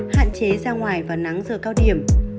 hạn chế ra ngoài vào nắng giờ cao điểm